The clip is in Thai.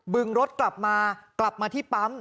บึงรถกลับมามาที่ปั๊ม